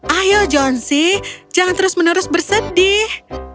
ayo johnsy jangan terus menerus bersedih